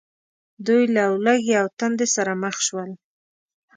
دوی له ولږې او تندې سره مخ شول.